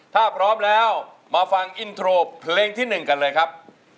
ถ้าพร้อมแล้วมาฟังอินโทรเพลงที่๑กันเลยครับ